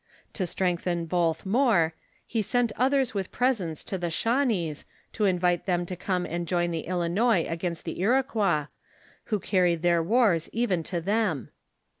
To strengthen both more, he sent others with presents to the Shawnees to invite them to come and join the Ilinois against the Iroquois, who carried their wars even to them.